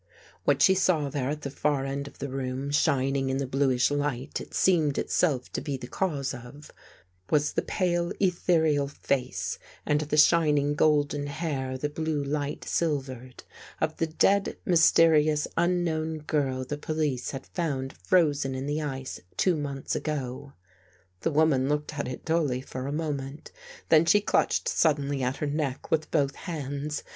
What she saw there at the far end of the room, shining in the bluish light it seemed itself to be the cause of, was the pale ethereal face and the shining golden hair the blue light silvered, of the dead mys terious unknown girl the police had found frozen in the ice two months ago. The woman looked at it dully for a moment. Then she clutched suddenly at her neck with both hands.